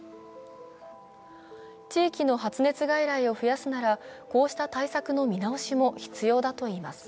地域の発熱外来を増やすならこうした対策の見直しも必要だといいます。